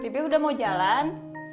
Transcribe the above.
pipi udah mau jalan